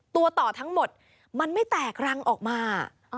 ตัวต่อทั้งหมดมันไม่แตกรังออกมา